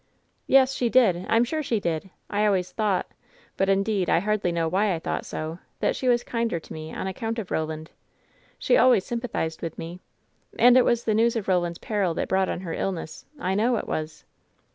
"Yes, she did — I am sure she did ! I always thought — ^but indeed I hardly know why I thought so — that she was kinder to me on account of Eoland. She always sympathized with me. And it was the news of Koland's peril that brought on her illness — I know it was